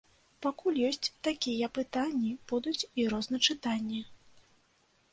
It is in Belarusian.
Пакуль ёсць такія пытанні, будуць і розначытанні.